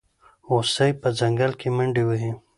هوسۍ په ځنګل کې منډې وهي.